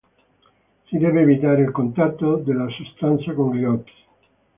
Si deve evitare il contatto della sostanza con gli occhi.